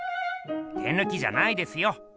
手ぬきじゃないですよ。